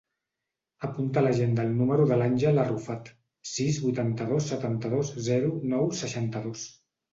Apunta a l'agenda el número de l'Àngel Arrufat: sis, vuitanta-dos, setanta-dos, zero, nou, seixanta-dos.